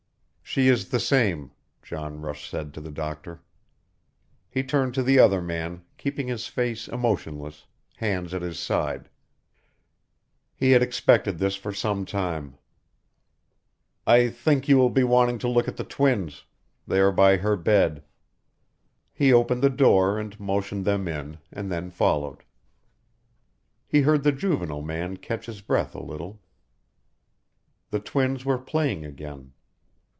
"She is the same," John Rush said to the doctor. He turned to the other man, keeping his face emotionless, hands at his side. He had expected this for some time. "I think you will be wanting to look at the twins. They are by her bed." He opened the door and motioned them in and then followed. He heard the Juvenile man catch his breath a little. The twins were playing again.